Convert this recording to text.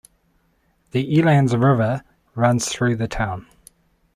The Elands River runs through the town.